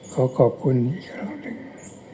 ขอขอบคุณอีกครั้งหนึ่ง